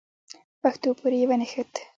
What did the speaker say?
په پښو پورې يې ونښت.